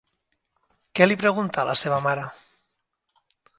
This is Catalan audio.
Què li pregunta a la seva mare?